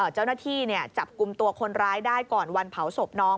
เจ้าหน้าที่จับกลุ่มตัวคนร้ายได้ก่อนวันเผาศพน้อง